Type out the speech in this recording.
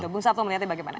bung satu melihatnya bagaimana